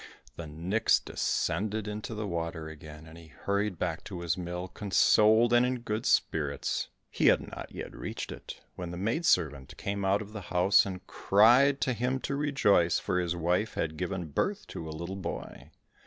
The nix descended into the water again, and he hurried back to his mill, consoled and in good spirits. He had not yet reached it, when the maid servant came out of the house, and cried to him to rejoice, for his wife had given birth to a little boy.